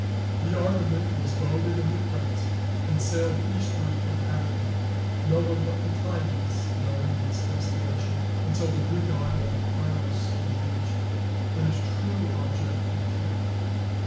The armament was voted and equipped, and sailed eastward from Attica, no one but Miltiades knowing its destination until the Greek isle of paros was reached, when his true object appeared.